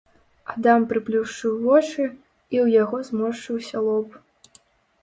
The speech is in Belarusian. Адам прыплюшчыў вочы, і ў яго зморшчыўся лоб.